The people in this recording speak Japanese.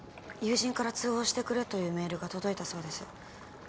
友人から通報してくれというメールが届いたそうです。